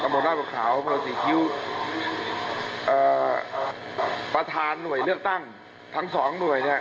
กระบวนหน้าประขาวอำเภอศรีคิ้วประธานหน่วยเลือกตั้งทั้ง๒หน่วยเนี่ย